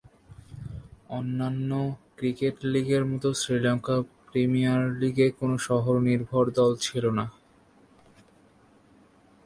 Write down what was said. অন্যান্য ক্রিকেট লীগের মত শ্রীলঙ্কা প্রিমিয়ার লীগে কোন শহর নির্ভর দল ছিল না।